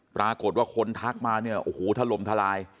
ปรากฏว่าคนทักมาเนี่ยโอ้โหถล่มทลาย